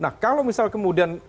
nah kalau misal kemudian